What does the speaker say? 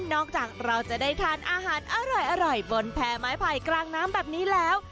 เราจะได้ทานอาหารอร่อยบนแพ้ไม้ไผ่กลางน้ำแบบนี้แล้ว